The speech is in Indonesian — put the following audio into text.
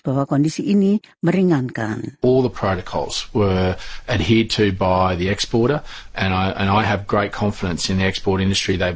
bahwa kondisi ini meringankan